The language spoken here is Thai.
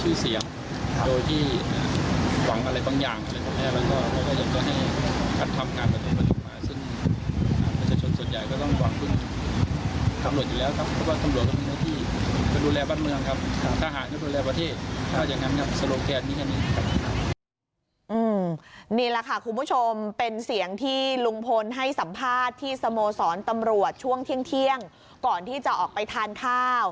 นี่แหละค่ะคุณผู้ชมเป็นเสียงที่ลุงพลให้สัมภาษณ์ที่สโมสรตำรวจช่วงเที่ยงก่อนที่จะออกไปทานข้าว